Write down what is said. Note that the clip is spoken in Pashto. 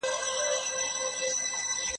که د ښځو پرې سينې سي